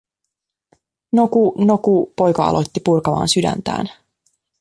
"No ku, no ku...", poika aloitti purkamaan sydäntään.